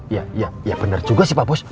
ya ya ya bener juga sih pak bos